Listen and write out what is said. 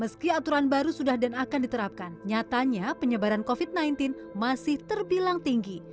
meski aturan baru sudah dan akan diterapkan nyatanya penyebaran covid sembilan belas masih terbilang tinggi